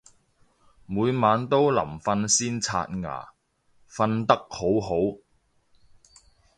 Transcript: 每晚都臨瞓先刷牙，瞓得好好